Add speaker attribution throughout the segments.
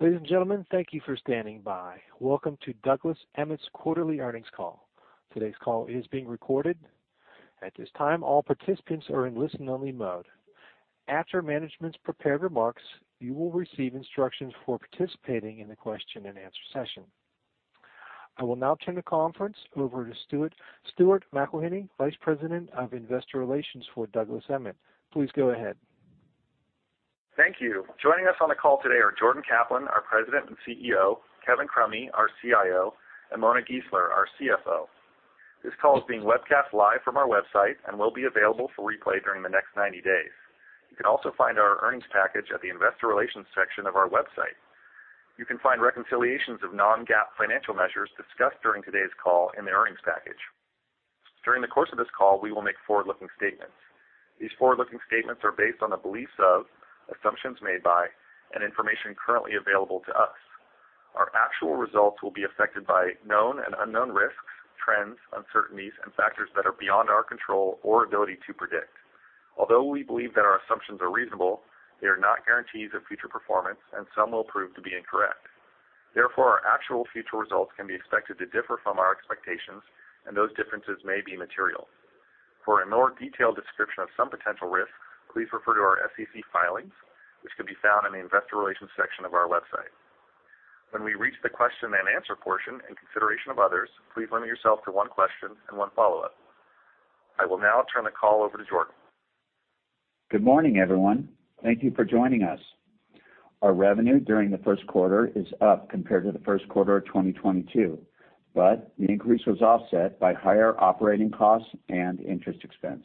Speaker 1: Ladies and gentlemen, thank you for standing by. Welcome to Douglas Emmett's quarterly earnings call. Today's call is being recorded. At this time, all participants are in listen-only mode. After management's prepared remarks, you will receive instructions for participating in the question-and-answer session. I will now turn the conference over to Stuart McElhinney, Vice President of Investor Relations for Douglas Emmett. Please go ahead.
Speaker 2: Thank you. Joining us on the call today are Jordan Kaplan, our President and CEO, Kevin Crummy, our CIO, and Mona Gisler, our CFO. This call is being webcast live from our website and will be available for replay during the next 90 days. You can also find our earnings package at the investor relations section of our website. You can find reconciliations of non-GAAP financial measures discussed during today's call in the earnings package. During the course of this call, we will make forward-looking statements. These forward-looking statements are based on the beliefs of, assumptions made by, and information currently available to us. Our actual results will be affected by known and unknown risks, trends, uncertainties, and factors that are beyond our control or ability to predict. Although we believe that our assumptions are reasonable, they are not guarantees of future performance, and some will prove to be incorrect. Therefore, our actual future results can be expected to differ from our expectations, and those differences may be material. For a more detailed description of some potential risks, please refer to our SEC filings, which can be found in the investor relations section of our website. When we reach the question-and-answer portion, in consideration of others, please limit yourself to one question and one follow-up. I will now turn the call over to Jordan.
Speaker 3: Good morning, everyone. Thank you for joining us. Our revenue during the Q1 is up compared to the Q1 of 2022, the increase was offset by higher operating costs and interest expense.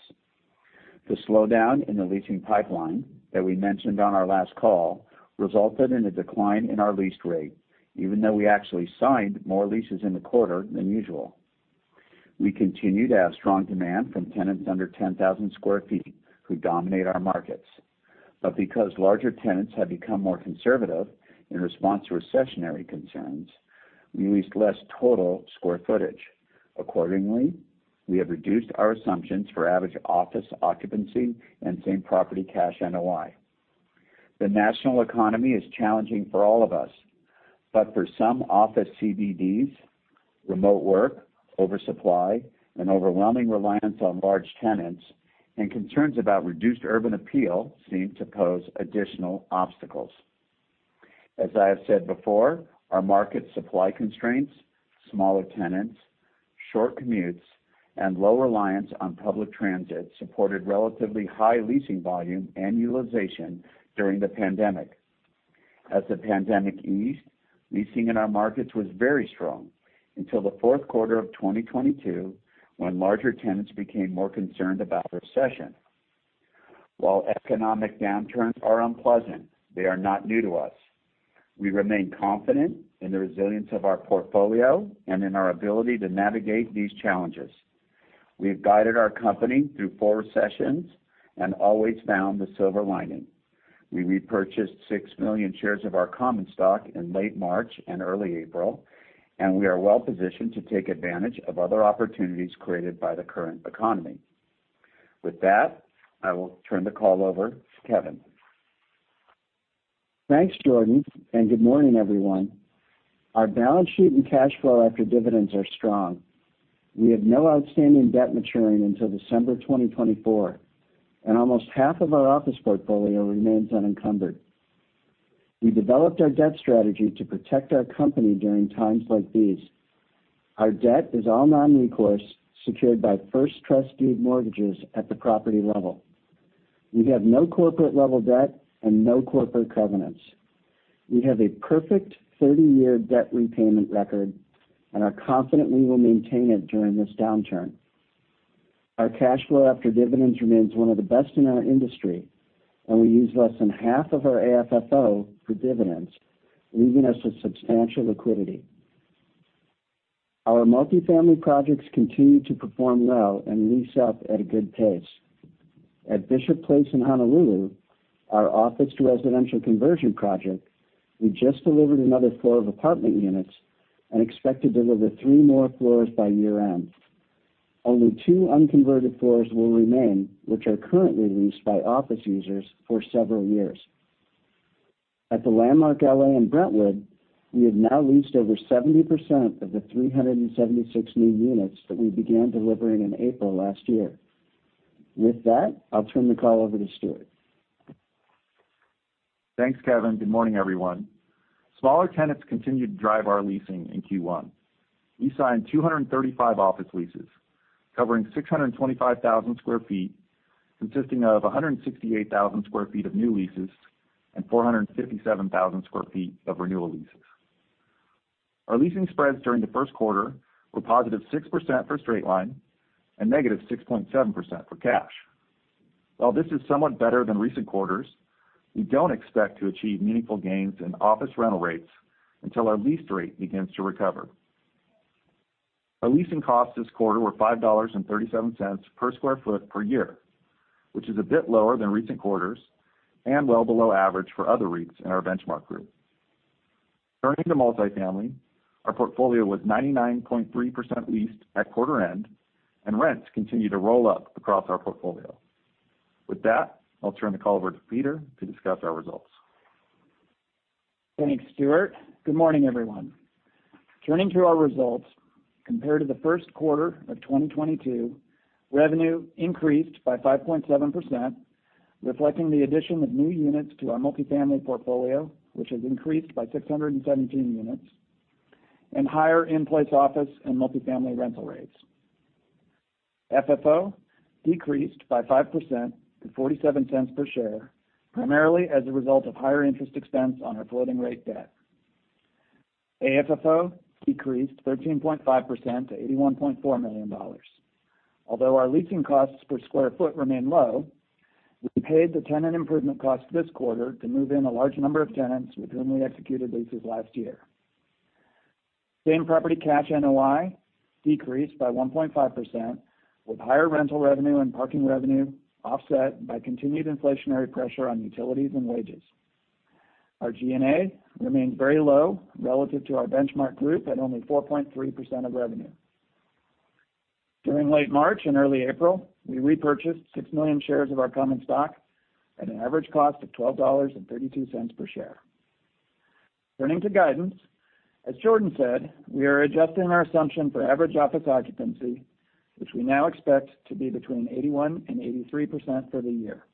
Speaker 3: The slowdown in the leasing pipeline that we mentioned on our last call resulted in a decline in our leased rate, even though we actually signed more leases in the quarter than usual. We continue to have strong demand from tenants under 10,000 square feet who dominate our markets. Because larger tenants have become more conservative in response to recessionary concerns, we leased less total square footage. Accordingly, we have reduced our assumptions for average office occupancy and same-property cash NOI. The national economy is challenging for all of us, but for some office CBDs, remote work, oversupply, and overwhelming reliance on large tenants and concerns about reduced urban appeal seem to pose additional obstacles. As I have said before, our market supply constraints, smaller tenants, short commutes, and low reliance on public transit supported relatively high leasing volume and utilization during the pandemic. As the pandemic eased, leasing in our markets was very strong until the Q4 of 2022, when larger tenants became more concerned about recession. While economic downturns are unpleasant, they are not new to us. We remain confident in the resilience of our portfolio and in our ability to navigate these challenges. We've guided our company through four recessions and always found the silver lining. We repurchased $6 million shares of our common stock in late March and early April, we are well positioned to take advantage of other opportunities created by the current economy. With that, I will turn the call over to Kevin.
Speaker 4: Thanks, Jordan. Good morning, everyone. Our balance sheet and cash flow after dividends are strong. We have no outstanding debt maturing until December 2024, and almost half of our office portfolio remains unencumbered. We developed our debt strategy to protect our company during times like these. Our debt is all non-recourse, secured by first trusted mortgages at the property level. We have no corporate level debt and no corporate covenants. We have a perfect 30-year debt repayment record and are confident we will maintain it during this downturn. Our cash flow after dividends remains one of the best in our industry, and we use less than half of our AFFO for dividends, leaving us with substantial liquidity. Our multifamily projects continue to perform well and lease up at a good pace. At Bishop Place in Honolulu, our office-to-residential conversion project, we just delivered another floor of apartment units and expect to deliver three more floors by year-end. Only two unconverted floors will remain, which are currently leased by office users for several years. At The Landmark L.A. in Brentwood, we have now leased over 70% of the 376 new units that we began delivering in April last year. With that, I'll turn the call over to Stuart.
Speaker 2: Thanks, Kevin. Good morning, everyone. Smaller tenants continued to drive our leasing in Q1. We signed 235 office leases covering 625,000 sq ft, consisting of 168,000 sq ft of new leases and 457,000 sq ft of renewal leases. Our leasing spreads during the Q1 were positive 6% for straight line and -6.7% for cash. This is somewhat better than recent quarters, we don't expect to achieve meaningful gains in office rental rates until our lease rate begins to recover. Our leasing costs this quarter were $5.37 per sq ft per year, which is a bit lower than recent quarters and well below average for other REITs in our benchmark group. Turning to multifamily, our portfolio was 99.3% leased at quarter end. Rents continue to roll up across our portfolio. With that, I'll turn the call over to Peter to discuss our results.
Speaker 5: Thanks, Stuart. Good morning, everyone. Turning to our results, compared to the 1st quarter of 2022, revenue increased by 5.7%, reflecting the addition of new units to our multifamily portfolio, which has increased by 617 units, and higher in-place office and multifamily rental rates. FFO decreased by 5% to $0.47 per share, primarily as a result of higher interest expense on our floating rate debt. AFFO decreased 13.5% to $81.4 million. Although our leasing costs per sq ft remain low, we paid the tenant improvement costs this quarter to move in a large number of tenants with whom we executed leases last year. Same-property cash NOI decreased by 1.5%, with higher rental revenue and parking revenue offset by continued inflationary pressure on utilities and wages. Our G&A remains very low relative to our benchmark group at only 4.3% of revenue. During late March and early April, we repurchased 6 million shares of our common stock at an average cost of $12.32 per share. Turning to guidance, as Jordan said, we are adjusting our assumption for average office occupancy, which we now expect to be between 81%-83% for the year.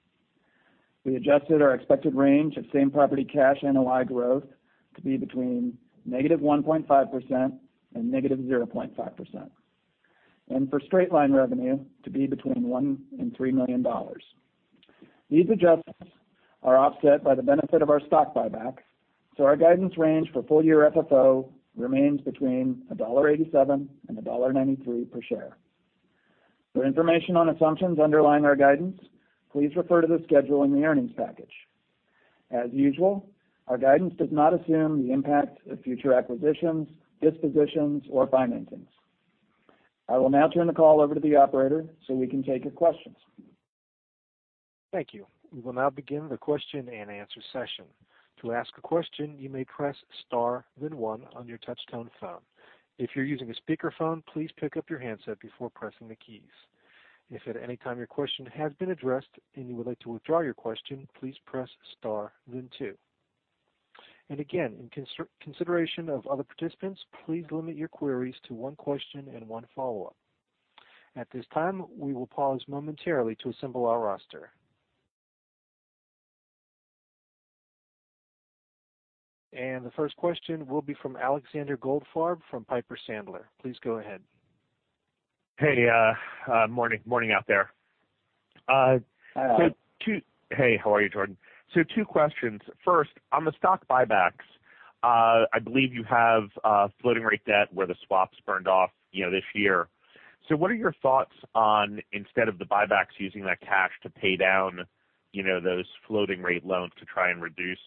Speaker 5: We adjusted our expected range of same property cash NOI growth to be between -1.5% and -0.5%, and for straight line revenue to be between $1 million and $3 million. These adjustments are offset by the benefit of our stock buyback, our guidance range for full year FFO remains between $1.87 and $1.93 per share. For information on assumptions underlying our guidance, please refer to the schedule in the earnings package. As usual, our guidance does not assume the impact of future acquisitions, dispositions or financings. I will now turn the call over to the operator, so we can take your questions.
Speaker 1: Thank you. We will now begin the question-and-answer session. To ask a question, you may press star then 1 on your touch tone phone. If you're using a speakerphone, please pick up your handset before pressing the keys. If at any time your question has been addressed and you would like to withdraw your question, please press star then 2. Again, in consideration of other participants, please limit your queries to 1 question and 1 follow-up. At this time, we will pause momentarily to assemble our roster. The first question will be from Alexander Goldfarb from Piper Sandler. Please go ahead.
Speaker 6: Hey, morning out there.
Speaker 3: Hi.
Speaker 6: Hey, how are you, Jordan? Two questions. First, on the stock buybacks, I believe you have floating rate debt where the swaps burned off, you know, this year. What are your thoughts on instead of the buybacks using that cash to pay down, you know, those floating rate loans to try and reduce,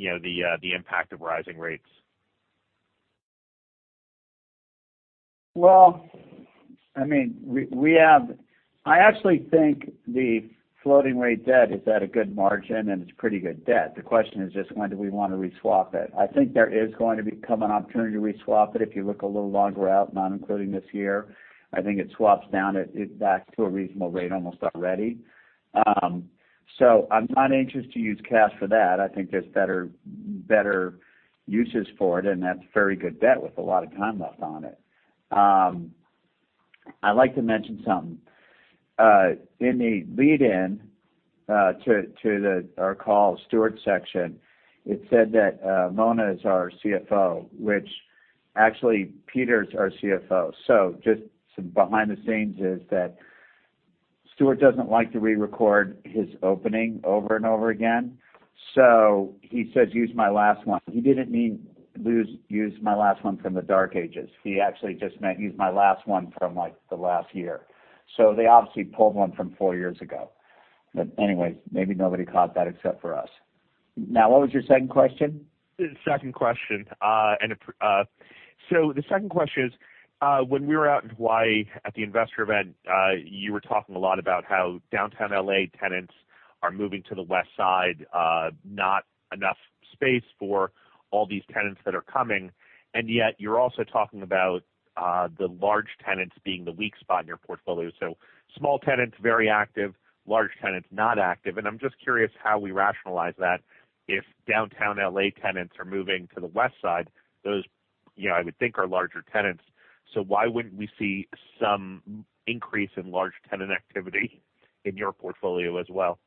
Speaker 6: you know, the impact of rising rates?
Speaker 3: Well, I mean, we have I actually think the floating rate debt is at a good margin, and it's pretty good debt. The question is just when do we want to reswap it? I think there is going to become an opportunity to reswap it if you look a little longer out, not including this year. I think it swaps down it back to a reasonable rate almost already. I'm not anxious to use cash for that. I think there's better uses for it, and that's very good debt with a lot of time left on it. I'd like to mention something. In the lead in to our call, Stuart's section, it said that Mona is our CFO, which actually Peter's our CFO. Just some behind the scenes is that Stuart doesn't like to re-record his opening over and over again. He says, "Use my last one." He didn't mean use my last one from the dark ages. He actually just meant use my last one from, like, the last year. They obviously pulled one from four years ago. Anyways, maybe nobody caught that except for us. What was your second question?
Speaker 6: The second question is, when we were out in Hawaii at the investor event, you were talking a lot about how downtown L.A. tenants are moving to the west side, not enough space for all these tenants that are coming. Yet you're also talking about the large tenants being the weak spot in your portfolio. Small tenants, very active. Large tenants, not active. I'm just curious how we rationalize that if downtown L.A. tenants are moving to the west side, those, you know, I would think, are larger tenants. Why wouldn't we see some increase in large tenant activity in your portfolio as well?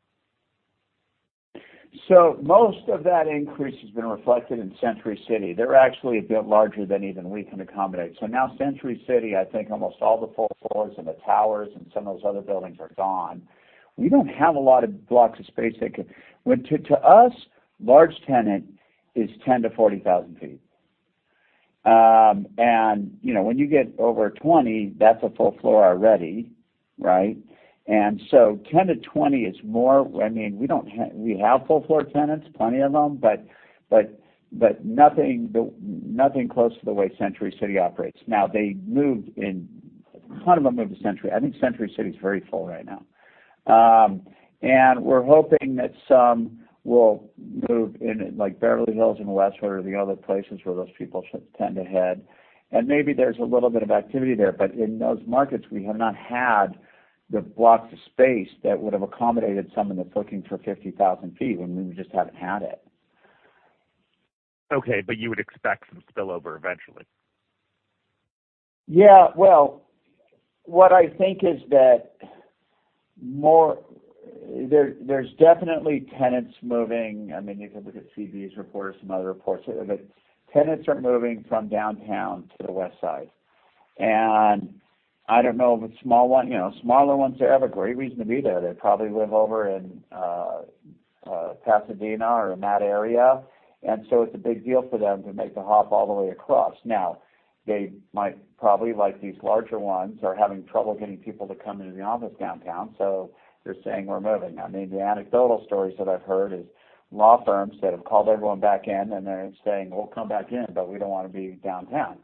Speaker 3: Most of that increase has been reflected in Century City. They're actually a bit larger than even we can accommodate. Now Century City, I think almost all the full floors and the towers and some of those other buildings are gone. We don't have a lot of blocks of space they can. When to us, large tenant is 10,000-40,000 sq ft. And, you know, when you get over 20, that's a full floor already, right? 10-20 is more. I mean, we have full floor tenants, plenty of them, but nothing close to the way Century City operates. A ton of them moved to Century. I think Century City is very full right now. We're hoping that some will move in at, like Beverly Hills and Westwood or the other places where those people tend to head. Maybe there's a little bit of activity there. In those markets, we have not had the blocks of space that would have accommodated someone that's looking for 50,000 feet when we just haven't had it.
Speaker 6: Okay. You would expect some spillover eventually?
Speaker 3: Well, what I think is that there's definitely tenants moving. I mean, you can look at CBRE's report or some other reports. Tenants are moving from downtown to the west side. I don't know if a small one, you know, smaller ones, they have a great reason to be there. They probably live over in Pasadena or in that area. It's a big deal for them to make the hop all the way across. Now, they might probably, like these larger ones, are having trouble getting people to come into the office downtown, so they're saying, we're moving. I mean, the anecdotal stories that I've heard is law firms that have called everyone back in and they're saying, "Well, come back in, but we don't wanna be downtown."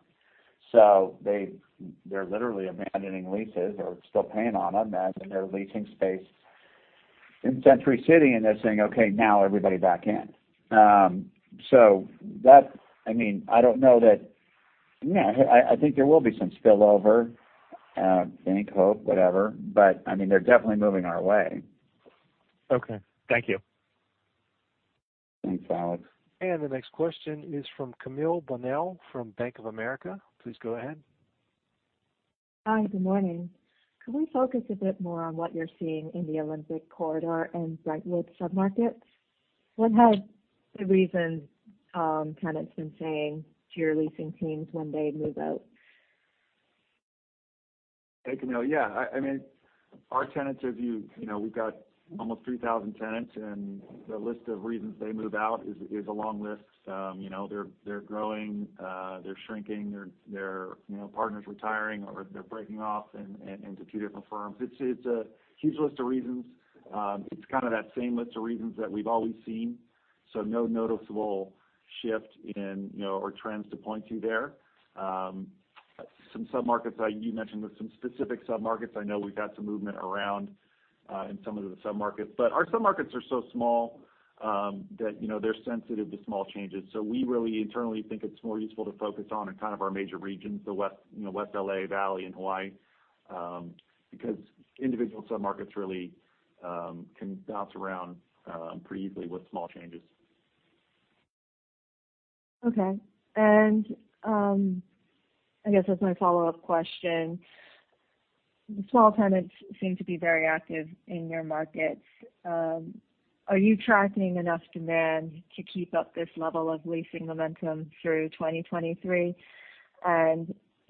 Speaker 3: They're literally abandoning leases. They're still paying on them, and they're leasing space in Century City, and they're saying, "Okay, now everybody back in." That. I mean, I don't know that. Yeah, I think there will be some spillover, think, hope, whatever. I mean, they're definitely moving our way.
Speaker 6: Okay. Thank you.
Speaker 3: Thanks, Alex.
Speaker 1: The next question is from Camille Bonnel from Bank of America. Please go ahead.
Speaker 7: Hi. Good morning. Can we focus a bit more on what you're seeing in the Olympic Corridor and Brentwood submarkets? What have the reasons, tenants been saying to your leasing teams when they move out?
Speaker 2: Hey, Camille. Yeah. I mean, our tenants You know, we've got almost 3,000 tenants. The list of reasons they move out is a long list. You know, they're growing, they're shrinking, their, you know, partners retiring, or they're breaking off into 2 different firms. It's a huge list of reasons. It's kind of that same list of reasons that we've always seen, so no noticeable shift in, you know, or trends to point to there. Some submarkets, you mentioned some specific submarkets. I know we've had some movement around in some of the submarkets. Our submarkets are so small that, you know, they're sensitive to small changes. We really internally think it's more useful to focus on in kind of our major regions, the west, you know, West L.A., Valley, and Hawaii, because individual submarkets really, can bounce around, pretty easily with small changes.
Speaker 7: Okay. I guess as my follow-up question, small tenants seem to be very active in your markets. Are you tracking enough demand to keep up this level of leasing momentum through 2023?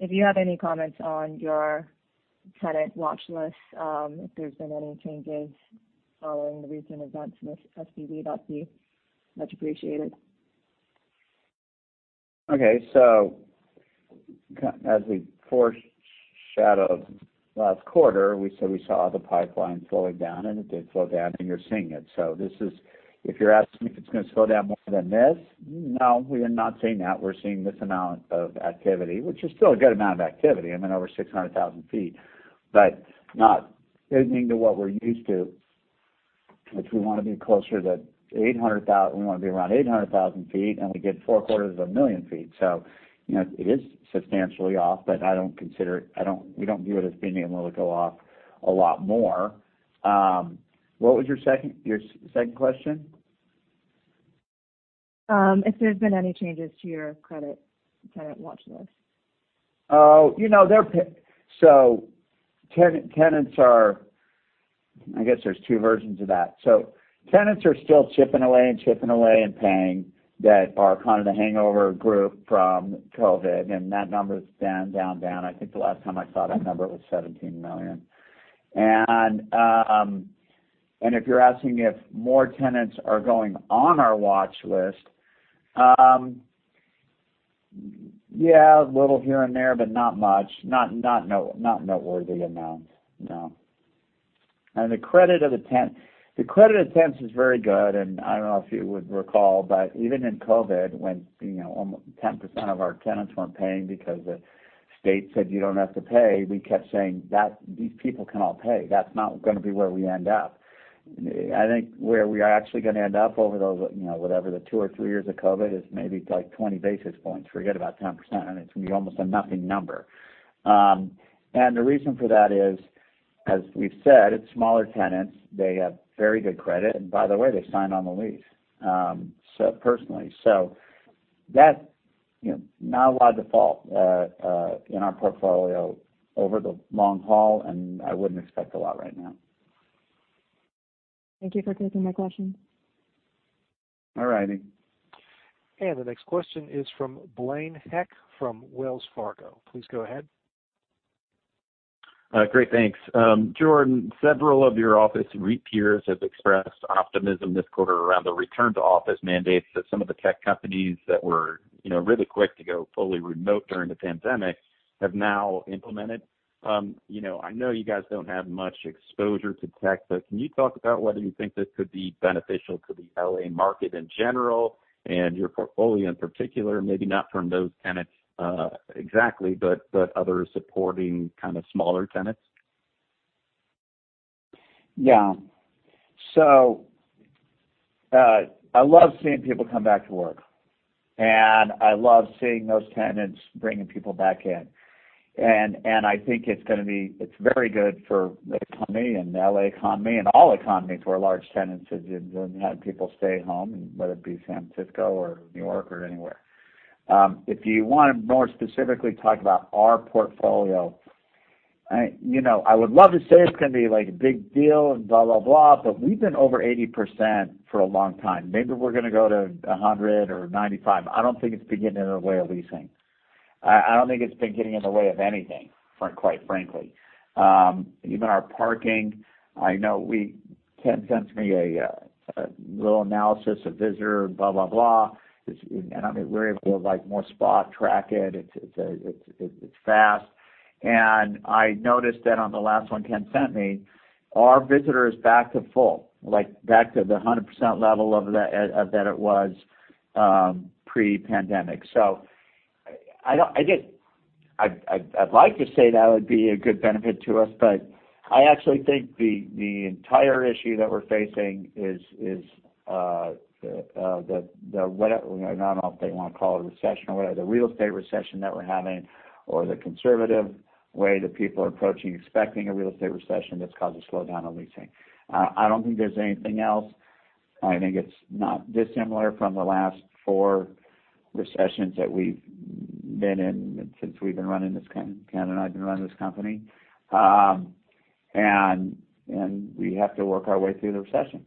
Speaker 7: If you have any comments on your tenant watch list, if there's been any changes following the recent events with SVB, that'd be much appreciated.
Speaker 3: Okay. As we foreshadowed last quarter, we said we saw the pipeline slowing down, and it did slow down, and you're seeing it. This is. If you're asking me if it's gonna slow down more than this, no, we are not seeing that. We're seeing this amount of activity, which is still a good amount of activity, I mean, over 600,000 feet. Not anything to what we're used to, which we wanna be closer to we wanna be around 800,000 feet, and we get four quarters of a million feet. You know, it is substantially off, but I don't consider it. We don't view it as being able to go off a lot more. What was your second, your second question?
Speaker 7: If there's been any changes to your credit tenant watch list?
Speaker 3: You know, tenants are... I guess there's two versions of that. Tenants are still chipping away and paying that are kind of the hangover group from COVID, and that number is down. I think the last time I saw that number, it was $17 million. If you're asking if more tenants are going on our watch list, yeah, a little here and there, but not much. Not noteworthy amounts. No. The credit of tenants is very good. I don't know if you would recall, but even in COVID, when, you know, 10% of our tenants weren't paying because the state said you don't have to pay, we kept saying that these people can all pay. That's not gonna be where we end up. I think where we are actually gonna end up over those, you know, whatever the 2 or 3 years of COVID is maybe like 20 basis points. Forget about 10%, it's gonna be almost a nothing number. The reason for that is, as we've said, it's smaller tenants. They have very good credit, and by the way, they sign on the lease, so personally. That, you know, not a lot of default in our portfolio over the long haul, and I wouldn't expect a lot right now.
Speaker 7: Thank you for taking my question.
Speaker 3: All righty.
Speaker 1: The next question is from Blaine Heck from Wells Fargo. Please go ahead.
Speaker 8: Great. Thanks. Jordan, several of your office REIT peers have expressed optimism this quarter around the return to office mandates that some of the tech companies that were, you know, really quick to go fully remote during the pandemic have now implemented. You know, I know you guys don't have much exposure to tech, but can you talk about whether you think this could be beneficial to the L.A. market in general and your portfolio in particular? Maybe not from those tenants, exactly, but other supporting kind of smaller tenants.
Speaker 3: I love seeing people come back to work, and I love seeing those tenants bringing people back in. I think it's very good for the economy and L.A. economy and all economies where large tenants have been having people stay home, whether it be San Francisco or New York or anywhere. If you wanna more specifically talk about our portfolio, you know, I would love to say it's gonna be like a big deal and blah, blah, but we've been over 80% for a long time. Maybe we're gonna go to 100 or 95. I don't think it's been getting in our way of leasing. I don't think it's been getting in the way of anything, quite frankly. Even our parking, I know Ken sends me a little analysis of visitor blah, blah. I mean, we're able to like more spot track it. It's fast. I noticed that on the last one Ken sent me, our visitor is back to full, like back to the 100% level that it was pre-pandemic. I guess I'd like to say that would be a good benefit to us, but I actually think the entire issue that we're facing is the I don't know if they wanna call it a recession or whatever, the real estate recession that we're having or the conservative way that people are approaching expecting a real estate recession that's caused a slowdown on leasing. I don't think there's anything else. I think it's not dissimilar from the last four recessions that we've been in since Ken and I have been running this company. We have to work our way through the recession.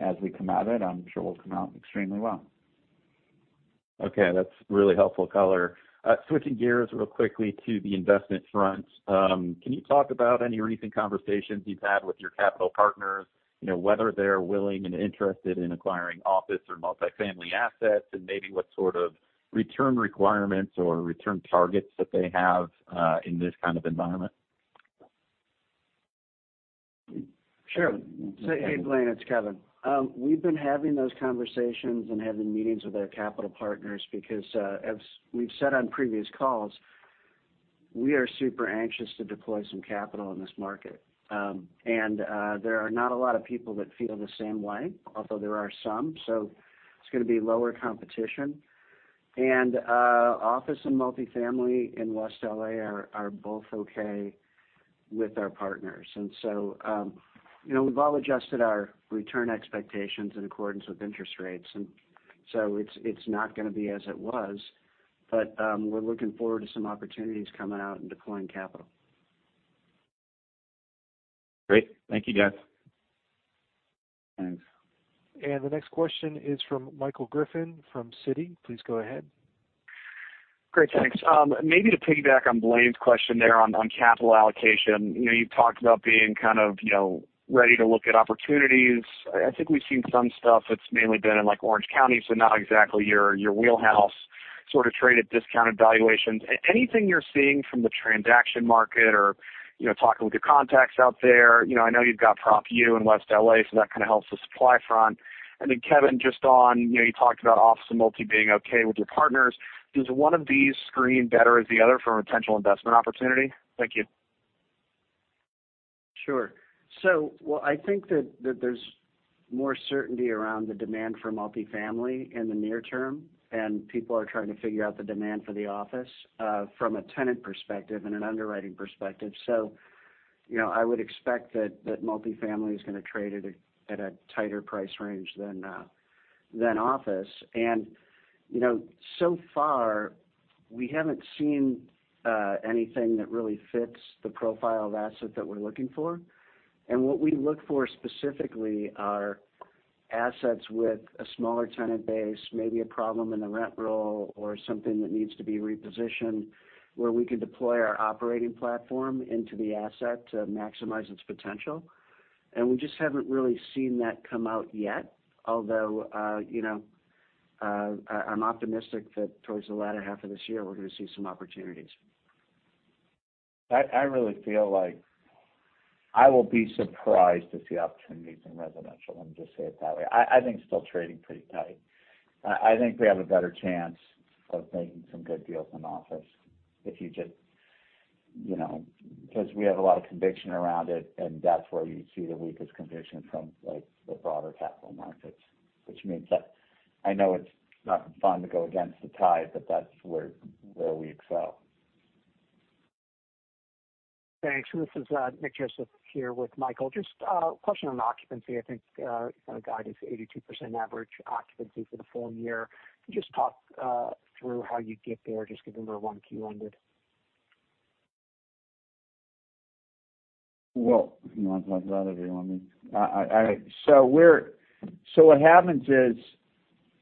Speaker 3: As we come out of it, I'm sure we'll come out extremely well.
Speaker 8: Okay. That's really helpful color. switching gears real quickly to the investment front. can you talk about any recent conversations you've had with your capital partners, you know, whether they're willing and interested in acquiring office or multifamily assets, and maybe what sort of return requirements or return targets that they have, in this kind of environment?
Speaker 3: Sure.
Speaker 4: Hey, Blaine, it's Kevin. We've been having those conversations and having meetings with our capital partners because as we've said on previous calls, we are super anxious to deploy some capital in this market. There are not a lot of people that feel the same way, although there are some. It's gonna be lower competition. Office and multifamily in West L.A. are both okay with our partners. You know, we've all adjusted our return expectations in accordance with interest rates, and so it's not gonna be as it was. We're looking forward to some opportunities coming out and deploying capital.
Speaker 8: Great. Thank you, guys.
Speaker 3: Thanks.
Speaker 1: The next question is from Michael Griffin from Citi. Please go ahead.
Speaker 9: Great. Thanks. Maybe to piggyback on Blaine's question there on capital allocation. You know, you've talked about being kind of, you know, ready to look at opportunities. I think we've seen some stuff that's mainly been in like Orange County, so not exactly your wheelhouse sort of trade at discounted valuations. Anything you're seeing from the transaction market or, you know, talking with your contacts out there. You know, I know you've got Proposition U in West L.A., so that kind of helps the supply front. Kevin, just on, you know, you talked about office and multi being okay with your partners. Does one of these screen better as the other for a potential investment opportunity? Thank you.
Speaker 4: Sure. Well, I think that there's more certainty around the demand for multifamily in the near term, and people are trying to figure out the demand for the office from a tenant perspective and an underwriting perspective. You know, I would expect that multifamily is gonna trade at a tighter price range than office. You know, so far we haven't seen anything that really fits the profile of asset that we're looking for. What we look for specifically are assets with a smaller tenant base, maybe a problem in the rent roll or something that needs to be repositioned, where we can deploy our operating platform into the asset to maximize its potential. We just haven't really seen that come out yet. You know, I'm optimistic that towards the latter half of this year, we're gonna see some opportunities.
Speaker 3: I really feel like I will be surprised to see opportunities in residential, let me just say it that way. I think it's still trading pretty tight. I think we have a better chance of making some good deals in office if you just, you know, because we have a lot of conviction around it, and that's where you see the weakest conviction from, like, the broader capital markets. I know it's not fun to go against the tide, but that's where we excel.
Speaker 10: Thanks. This is Nick Joseph here with Michael. Just question on occupancy. I think our guide is 82% average occupancy for the full year. Can you just talk through how you get there? Just give a little one key on it.
Speaker 3: Well, you want to talk about it, or you want me? What happens is,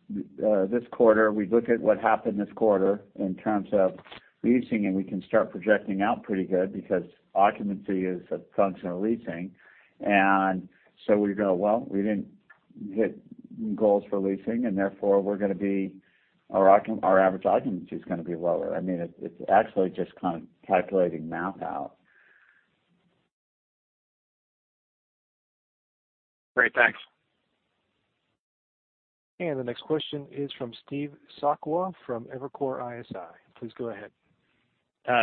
Speaker 3: this quarter, we look at what happened this quarter in terms of leasing, and we can start projecting out pretty good because occupancy is a function of leasing. We go, "Well, we didn't hit goals for leasing, and therefore we're gonna be our average occupancy is gonna be lower." I mean, it's actually just kind of calculating math out.
Speaker 10: Great. Thanks.
Speaker 1: The next question is from Steve Sakwa from Evercore ISI. Please go ahead.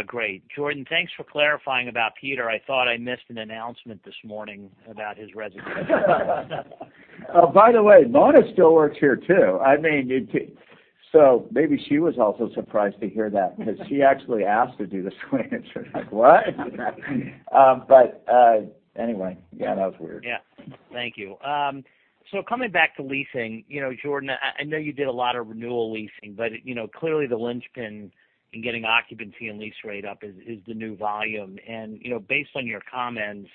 Speaker 11: Great. Jordan, thanks for clarifying about Peter. I thought I missed an announcement this morning about his resignation.
Speaker 3: By the way, Mona still works here too. I mean, maybe she was also surprised to hear that because she actually asked to do the switch. Like what? Anyway, yeah, that was weird.
Speaker 11: Yeah. Thank you. Coming back to leasing, you know, Jordan, I know you did a lot of renewal leasing, but you know, clearly the linchpin in getting occupancy and lease rate up is the new volume. You know, based on your comments,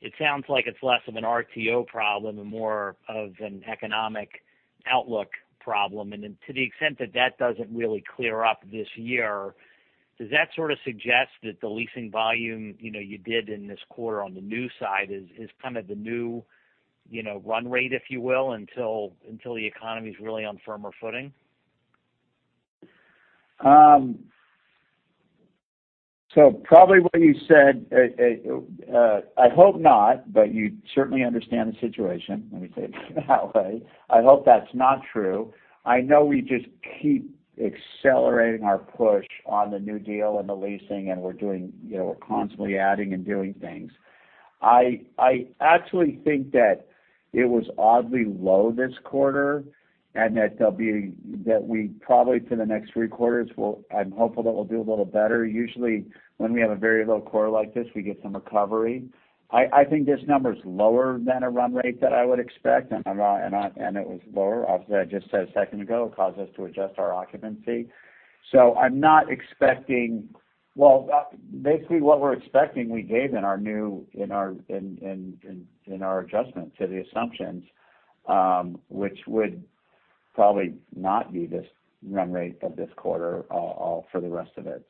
Speaker 11: it sounds like it's less of an RTO problem and more of an economic outlook problem. To the extent that that doesn't really clear up this year, does that sort of suggest that the leasing volume, you know, you did in this quarter on the new side is kind of the new, you know, run rate, if you will, until the economy's really on firmer footing?
Speaker 3: Probably what you said, I hope not, but you certainly understand the situation. Let me say it that way. I hope that's not true. I know we just keep accelerating our push on the new deal and the leasing, and we're doing, you know, we're constantly adding and doing things. I actually think that it was oddly low this quarter, and that we probably for the next three quarters will... I'm hopeful that we'll do a little better. Usually, when we have a very low quarter like this, we get some recovery. I think this number's lower than a run rate that I would expect, and it was lower. Obviously, I just said 1 second ago, it caused us to adjust our occupancy. I'm not expecting... Basically what we're expecting, we gave in our adjustment to the assumptions, which would probably not be this run rate of this quarter for the rest of it.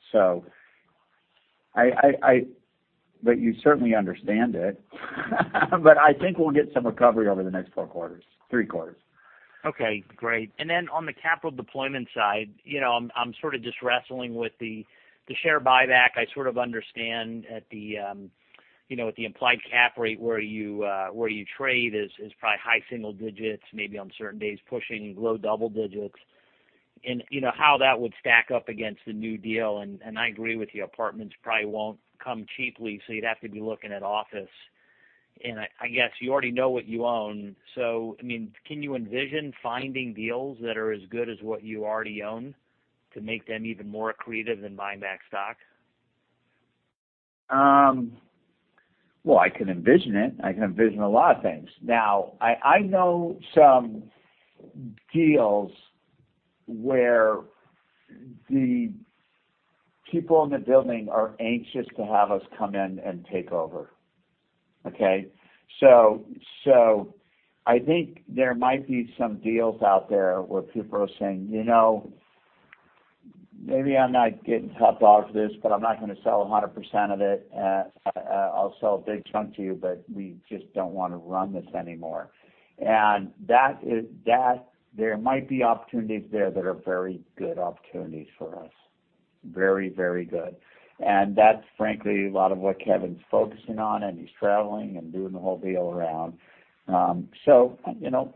Speaker 3: I. You certainly understand it. I think we'll get some recovery over the next 4 quarters, 3 quarters.
Speaker 11: Okay, great. Then on the capital deployment side, you know, I'm sort of just wrestling with the share buyback. I sort of understand at the, you know, at the implied cap rate where you trade is probably high single digits, maybe on certain days pushing low double digits. You know, how that would stack up against the new deal. I agree with you, apartments probably won't come cheaply, so you'd have to be looking at office. I guess you already know what you own. I mean, can you envision finding deals that are as good as what you already own to make them even more accretive than buy back stock?
Speaker 3: Well, I can envision it. I can envision a lot of things. I know some deals where the people in the building are anxious to have us come in and take over, okay? I think there might be some deals out there where people are saying, "You know, maybe I'm not getting top dollar for this, but I'm not gonna sell 100% of it. I'll sell a big chunk to you, but we just don't wanna run this anymore." There might be opportunities there that are very good opportunities for us. Very, very good. That's frankly a lot of what Kevin's focusing on, and he's traveling and doing the whole deal around. You know,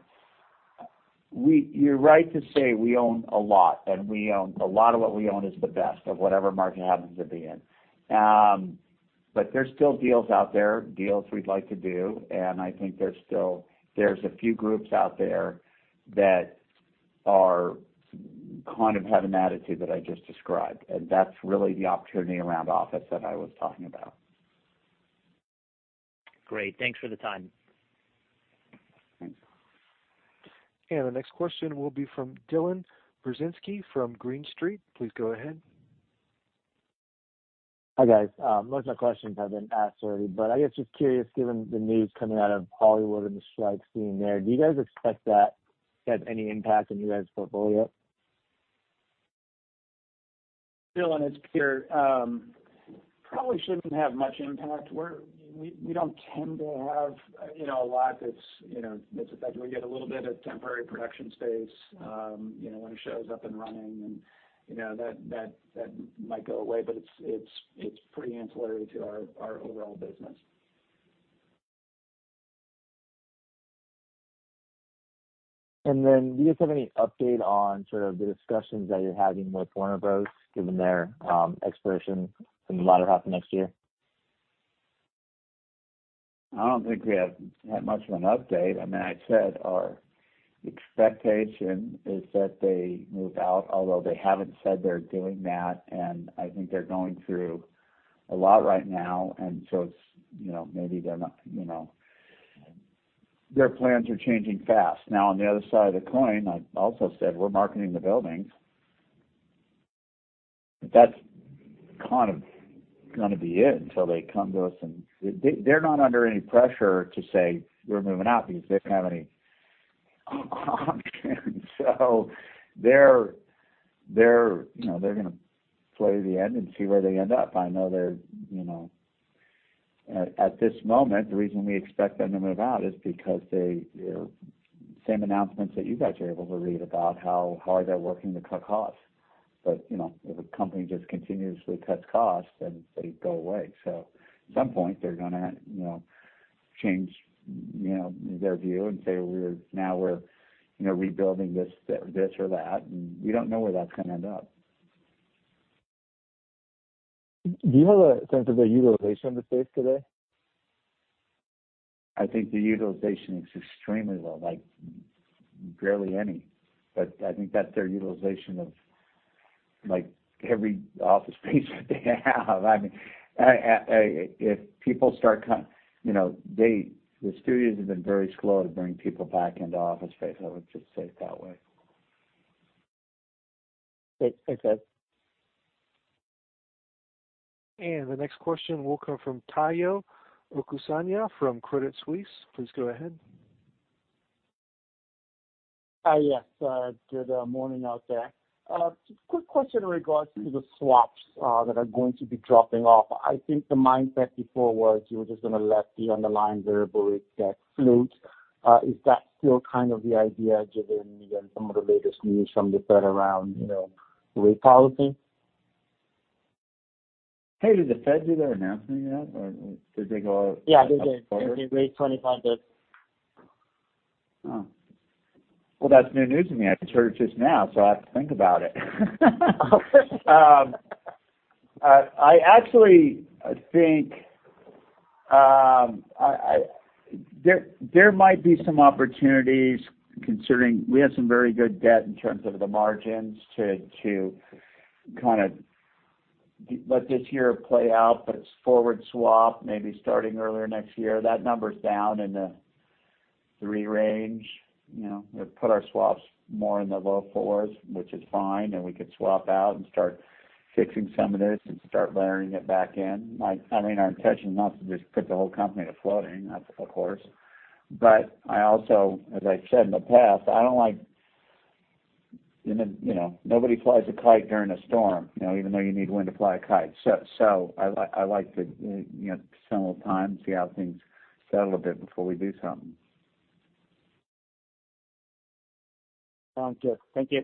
Speaker 3: you're right to say we own a lot, and we own a lot of what we own is the best of whatever market it happens to be in. There's still deals out there, deals we'd like to do, and I think there's still a few groups out there that are kind of have an attitude that I just described, and that's really the opportunity around office that I was talking about.
Speaker 11: Great. Thanks for the time.
Speaker 3: Thanks.
Speaker 1: The next question will be from Dylan Burzinski from Green Street. Please go ahead.
Speaker 12: Hi, guys. Most of my questions have been asked already. I guess just curious, given the news coming out of Hollywood and the strikes being there, do you guys expect that to have any impact on you guys' portfolio?
Speaker 3: Dylan, it's Pierre. Probably shouldn't have much impact. We don't tend to have, you know, a lot that's, you know, that's affected. We get a little bit of temporary production space, you know, when a show's up and running and, you know, that might go away. It's pretty ancillary to our overall business.
Speaker 12: Do you guys have any update on sort of the discussions that you're having with Warner Bros., given their expiration in the latter half of next year?
Speaker 3: I don't think we have that much of an update. I mean, I've said our expectation is that they move out, although they haven't said they're doing that, and I think they're going through a lot right now. It's, you know, maybe they're not. Their plans are changing fast. Now on the other side of the coin, I've also said we're marketing the buildings. That's kind of gonna be it until they come to us. They're not under any pressure to say, "We're moving out," because they don't have any options. They're, you know, they're gonna play to the end and see where they end up. I know they're. At this moment, the reason we expect them to move out is because they, you know, same announcements that you guys are able to read about how hard they're working to cut costs. You know, if a company just continuously cuts costs, then they go away. At some point, they're gonna, you know, change, you know, their view and say, "Now we're, you know, rebuilding this or that." We don't know where that's gonna end up.
Speaker 12: Do you have a sense of the utilization of the space today?
Speaker 3: I think the utilization is extremely low, like barely any. I think that's their utilization of like every office space that they have. I mean, if people start you know, the studios have been very slow to bring people back into office space. I would just say it that way.
Speaker 12: Okay.
Speaker 1: The next question will come from Tayo Okusanya from Credit Suisse. Please go ahead.
Speaker 13: Hi, yes. Good morning out there. Quick question in regards to the swaps, that are going to be dropping off. I think the mindset before was you were just gonna let the underlying variable rate debt float. Is that still kind of the idea given, you know, some of the latest news from the Fed around, you know, rate policy?
Speaker 3: Hey, did the Fed do their announcement yet or did they go out?
Speaker 13: Yeah, they did. They raised 25 basis points.
Speaker 3: Well, that's new news to me. I just heard it just now, so I have to think about it. I actually think there might be some opportunities considering we have some very good debt in terms of the margins to kind of let this year play out. It's forward swap maybe starting earlier next year. That number's down in the 3 range. You know, it put our swaps more in the low 4s, which is fine, and we could swap out and start fixing some of this and start layering it back in. Like, I mean, our intention is not to just put the whole company to floating, of course. I also, as I said in the past, I don't like... You know, nobody flies a kite during a storm, you know, even though you need wind to fly a kite. I like to, you know, some more time, see how things settle a bit before we do something.
Speaker 13: Sounds good. Thank you.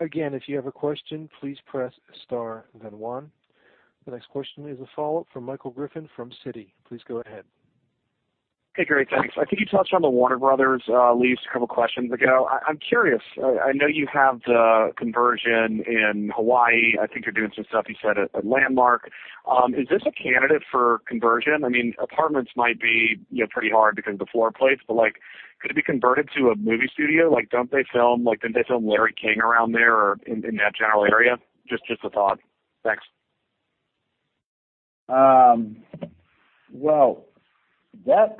Speaker 1: If you have a question, please press star then one. The next question is a follow-up from Michael Griffin from Citi. Please go ahead.
Speaker 9: Hey, great. Thanks. I think you touched on the Warner Bros. lease a couple questions ago. I'm curious. I know you have the conversion in Hawaii. I think you're doing some stuff you said at Landmark. Is this a candidate for conversion? I mean, apartments might be, you know, pretty hard because of the floor plates, but like, could it be converted to a movie studio? Like, don't they film, like, didn't they film Larry King around there or in that general area? Just a thought. Thanks.
Speaker 3: Well, that...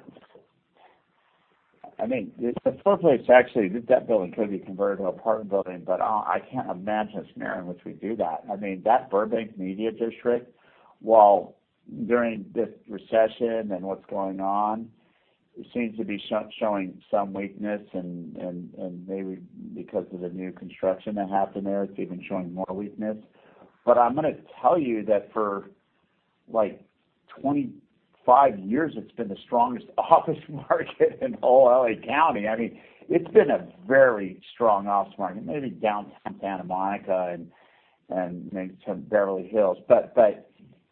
Speaker 3: I mean, the floor plate's actually, the debt building could be converted to an apartment building, but I can't imagine a scenario in which we'd do that. I mean, that Burbank media district, while during this recession and what's going on, seems to be showing some weakness and maybe because of the new construction that happened there, it's even showing more weakness. I'm gonna tell you that for like 25 years it's been the strongest office market in all L.A. County. I mean, it's been a very strong office market. Maybe downtown Santa Monica and maybe some Beverly Hills, but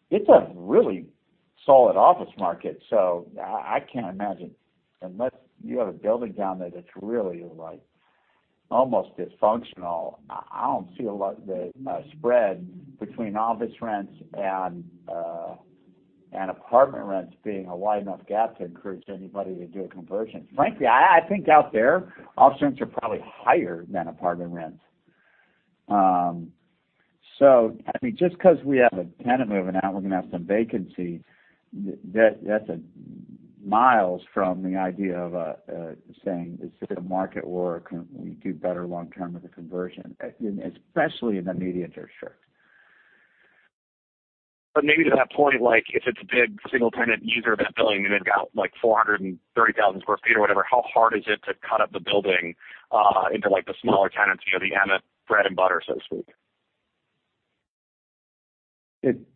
Speaker 3: it's a really solid office market, so I can't imagine. Unless you have a building down there that's really, like, almost dysfunctional, I don't see a lot the spread between office rents and apartment rents being a wide enough gap to encourage anybody to do a conversion. Frankly, I think out there office rents are probably higher than apartment rents. I mean, just 'cause we have a tenant moving out, we're gonna have some vacancies, that's a miles from the idea of saying is it a market or can we do better long term with a conversion, especially in the media district.
Speaker 9: Maybe to that point, like if it's a big single tenant user of that building and they've got like 430,000 sq ft or whatever, how hard is it to cut up the building into like the smaller tenants, you know, the Emmett bread and butter, so to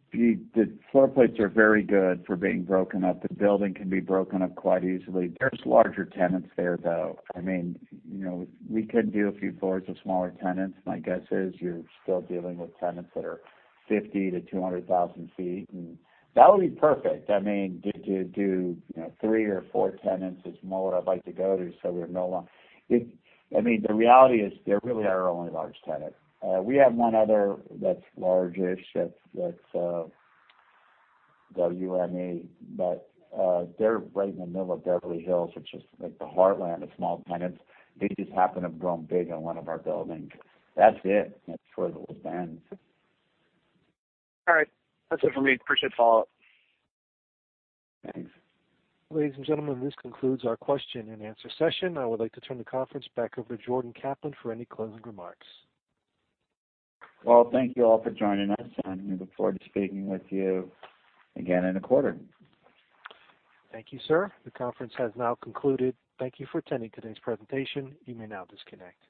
Speaker 9: speak?
Speaker 3: The floor plates are very good for being broken up. The building can be broken up quite easily. There's larger tenants there, though. I mean, you know, we could do a few floors of smaller tenants. My guess is you're still dealing with tenants that are 50,000-200,000 sq ft. That would be perfect. I mean, to do, you know, 3 or 4 tenants is more what I'd like to go to. I mean, the reality is they really are our only large tenant. We have one other that's large-ish, that's the WME, they're right in the middle of Beverly Hills, which is like the heartland of small tenants. They just happen to have grown big in one of our buildings. That's it. That's where it all ends.
Speaker 9: All right. That's it for me. Appreciate the follow up.
Speaker 3: Thanks.
Speaker 1: Ladies and gentlemen, this concludes our question and answer session. I would like to turn the conference back over to Jordan Kaplan for any closing remarks.
Speaker 3: Well, thank you all for joining us, and we look forward to speaking with you again in a quarter.
Speaker 1: Thank you, sir. The conference has now concluded. Thank you for attending today's presentation. You may now disconnect.